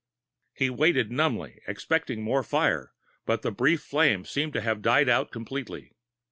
He waited numbly, expecting more fire, but the brief flame seemed to have died out completely.